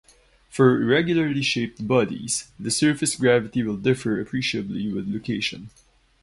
For irregularly shaped bodies, the surface gravity will differ appreciably with location.